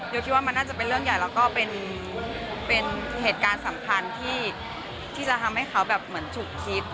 คิดว่ามันน่าจะเป็นเรื่องใหญ่แล้วก็เป็นเหตุการณ์สำคัญที่จะทำให้เขาแบบเหมือนฉุกคิด